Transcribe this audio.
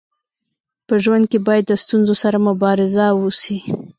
په ژوند کي باید د ستونزو سره مبارزه وسي.